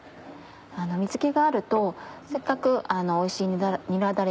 水気があるとせっかくおいしいにら